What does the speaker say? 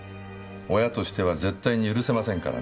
親としては絶対に許せませんからね。